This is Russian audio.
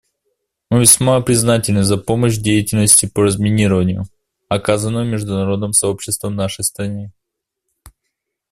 Мы весьма признательны за помощь в деятельности по разминированию, оказанную международным сообществом нашей стране.